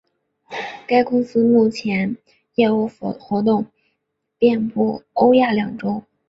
该公司目前的业务活动遍布欧亚两洲。